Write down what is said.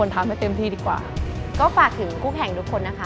รายการต่อไปนี้เหมาะสำหรับผู้ชมที่มีอายุ๑๓ปีควรได้รับคำแนะนำ